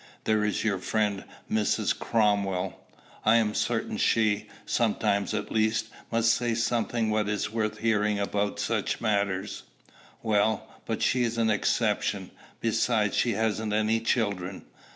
"There is your friend, Mrs. Cromwell: I am certain she, sometimes at least, must say what is worth hearing about such matters." "Well, but she's an exception. Besides, she hasn't any children."